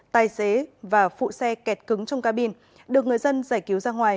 tài xế và phụ xe kẹt cứng trong ca bin được người dân giải cứu ra ngoài